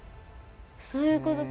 そういうことか。